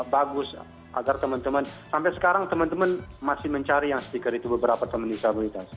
bagus agar teman teman sampai sekarang teman teman masih mencari yang stiker itu beberapa teman disabilitas